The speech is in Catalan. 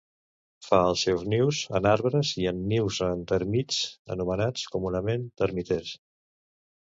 Fa els seus nius en arbres i en nius de tèrmits anomenats comunament termiters.